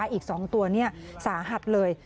อีก๒ตัวสาหัสเลย